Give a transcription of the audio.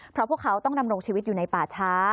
เพราะพวกเขาต้องดำรงชีวิตอยู่ในป่าช้า